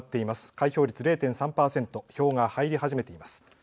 開票率０．３％、票が入り始めています。